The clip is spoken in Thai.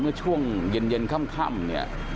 เมื่อช่วงเย็นค่ำเนี่ย